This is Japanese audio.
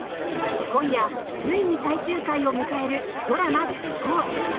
今夜ついに最終回を迎えるドラマ「シッコウ！！」。